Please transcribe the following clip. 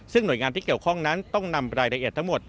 ซึ่งหน่วยงานที่เกี่ยวข้องนั้นต้องนำรายละเอียดทั้งหมด